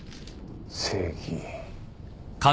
正義。